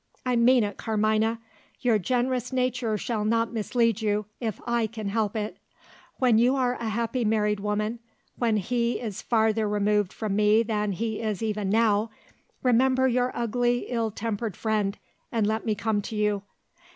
I mean it, Carmina! Your generous nature shall not mislead you, if I can help it. When you are a happy married woman when he is farther removed from me than he is even now remember your ugly, ill tempered friend, and let me come to you.